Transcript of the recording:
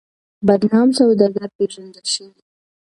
بدنام سوداگر پېژندل شوی.